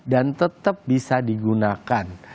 dan tetap bisa digunakan